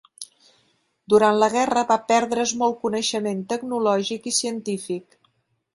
Durant la guerra va perdre's molt coneixement tecnològic i científic.